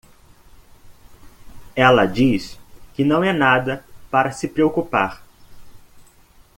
Ela diz que não é nada para se preocupar.